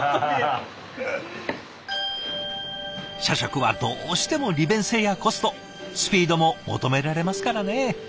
社食はどうしても利便性やコストスピードも求められますからね。